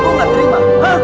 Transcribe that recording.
ibu gak terima